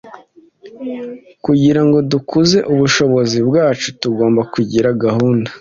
Kugira ngo dukuze ubushobozi bwacu tugomba kugira gahunda